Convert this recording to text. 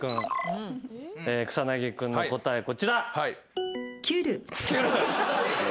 草薙君の答えこちら。